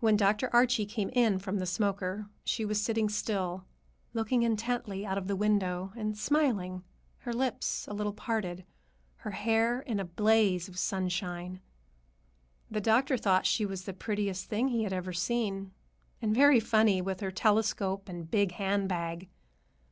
When Dr. Archie came in from the smoker, she was sitting still, looking intently out of the window and smiling, her lips a little parted, her hair in a blaze of sunshine. The doctor thought she was the prettiest thing he had ever seen, and very funny, with her telescope and big handbag.